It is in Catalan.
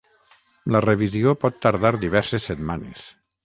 La revisió pot tardar diverses setmanes.